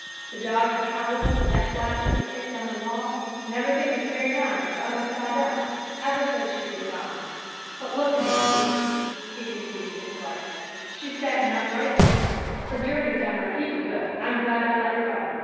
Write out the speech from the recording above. The dogs had howled, the death watches had ticked on the wall, and everything had carried on, t'other side up, ever since she'd been gone. But look, Nancy," he continued to his wife, "she's fattin' up right smart. Her journey has done her a heap of good, and I'm glad I let her go."